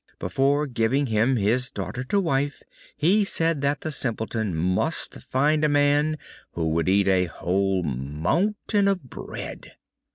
Before giving him his daughter to wife he said that the Simpleton must find a man who would eat a whole mountain of bread.